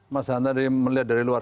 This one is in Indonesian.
mas hanta melihat dari luar